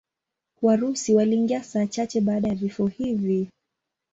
Warusi waliingia saa chache baada ya vifo hivi.